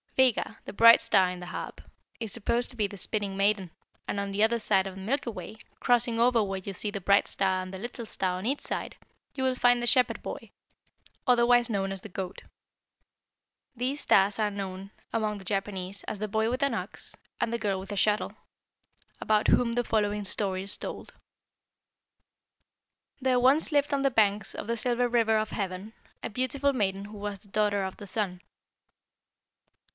Vega, the bright star in the harp, is supposed to be the spinning maiden, and on the other side of the Milky Way, crossing over where you see the bright star and the little star on each side, you will find the shepherd boy, otherwise known as the Goat. These stars are known among the Japanese as the 'boy with an ox' and 'the girl with a shuttle,' about whom the following story is told: "There once lived on the banks of the Silver River of Heaven a beautiful maiden who was the daughter of the Sun.